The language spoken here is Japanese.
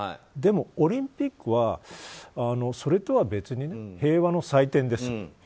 でも、オリンピックはそれとは別に平和の祭典です。